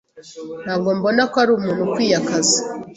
Ntabwo mbona ko ari umuntu ukwiye akazi.